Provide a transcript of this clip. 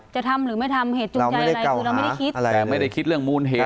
จะทำหรือไม่ทำเหตุจูงใจอะไรคือเราไม่ได้คิดอะไรแต่ไม่ได้คิดเรื่องมูลเหตุ